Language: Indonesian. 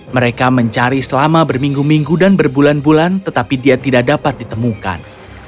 mereka mencari selama berminggu minggu dan berbulan bulan tetapi dia tidak dapat ditemukan